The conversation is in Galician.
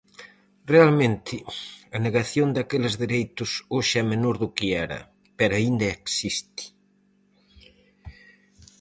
Realmente, a negación daqueles dereitos hoxe é menor do que era, pero aínda existe.